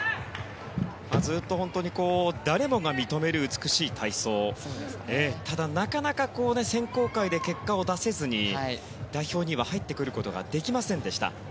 ずっと、誰もが認める美しい体操ただ、なかなか選考会で結果を出せずに代表には入ってくることができませんでした。